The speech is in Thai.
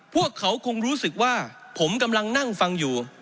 พวกเขาคงรู้สึกว่าผมกำลังนั่งฟังอยู่